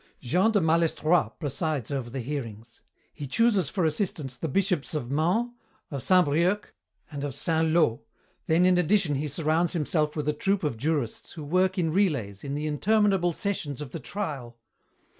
"Jean de Malestroit presides over the hearings. He chooses for assistants the Bishops of Mans, of Saint Brieuc, and of Saint Lô, then in addition he surrounds himself with a troop of jurists who work in relays in the interminable sessions of the trial.